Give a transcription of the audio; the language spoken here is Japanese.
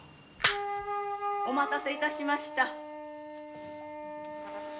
・お待たせ致しました。